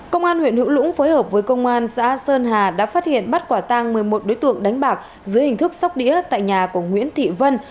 công an huyện hữu lũng phối hợp với công an xã sơn hà đã phát hiện bắt quả tang một mươi một đối tượng đánh bạc dưới hình thức sóc đĩa tại nhà của nguyễn thị vân